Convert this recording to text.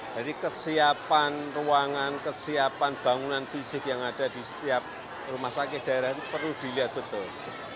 jadi kesiapan ruangan kesiapan bangunan fisik yang ada di setiap rumah sakit daerah itu perlu dilihat betul